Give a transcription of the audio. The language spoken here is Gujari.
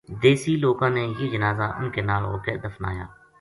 دیسی لوکاں نے یہ جنازا ان کے نال ہو کے دفنایا